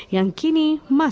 yang kini berubah